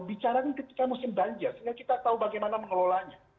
bicarakan ketika musim banjir sehingga kita tahu bagaimana mengelolanya